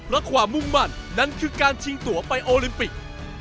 และความมุ่งมั่นนั่นคือการชิงตัวไปโอลิมปิก